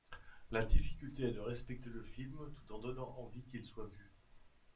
La difficulté est de respecter le film tout en donnant envie qu'il soit vu.